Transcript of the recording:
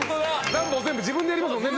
ランボー全部自分でやりますもんね。